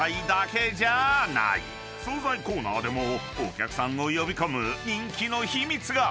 ［惣菜コーナーでもお客さんを呼び込む人気の秘密が］